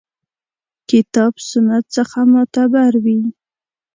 کتاب سنت څخه معتبر وي.